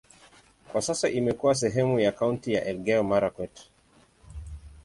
Kwa sasa imekuwa sehemu ya kaunti ya Elgeyo-Marakwet.